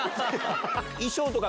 衣装とか